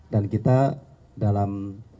dan kita dalam